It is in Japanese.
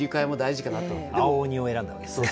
青鬼を選んだわけですか？